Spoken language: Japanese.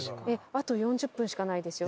あと４０分しかないですよ。